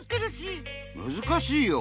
むずかしいよ。